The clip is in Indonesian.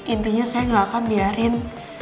intinya saya nggak akan biarin